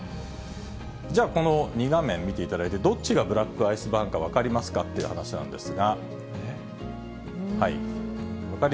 じゃあ、この２画面見ていただいて、どっちがブラックアイスバーンか分かりますかという話なんですが。